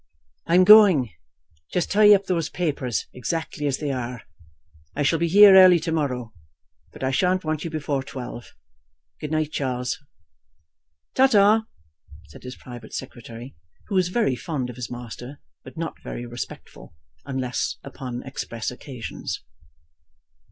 "I am going. Just tie up those papers, exactly as they are. I shall be here early to morrow, but I shan't want you before twelve. Good night, Charles." "Ta, ta," said his private secretary, who was very fond of his master, but not very respectful, unless upon express occasions.